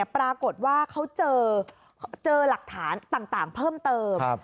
ปรากฏว่าเขาเจอหลักฐานต่างเพิ่มเติม